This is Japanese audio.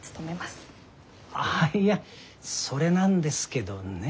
ああいやそれなんですけどね。